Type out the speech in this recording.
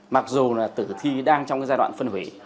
mặc dù là tử thi đang trong cái giai đoạn phân hủy